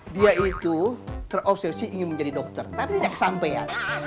dia itu terobsesi ingin menjadi dokter tapi tidak kesampean